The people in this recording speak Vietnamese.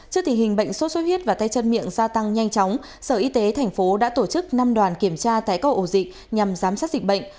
trước tình hình bệnh sốt xuất huyết và tay chân miệng gia tăng nhanh chóng sở y tế thành phố đã tổ chức năm đoàn kiểm tra tại các ổ dịch nhằm giám sát dịch bệnh